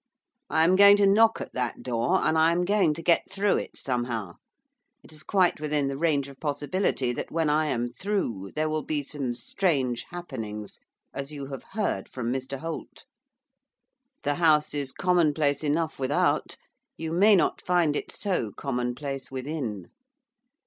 I am going to knock at that door, and I am going to get through it, somehow. It is quite within the range of possibility that, when I am through, there will be some strange happenings, as you have heard from Mr Holt. The house is commonplace enough without; you may not find it so commonplace within.